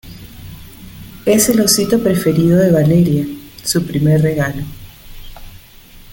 es el osito preferido de Valeria. su primer regalo .